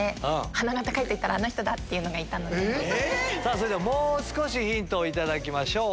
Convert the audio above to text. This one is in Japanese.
それではもう少しヒントを頂きましょう。